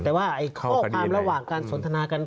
แต่ว่าข้อความระหว่างการสนทนากัน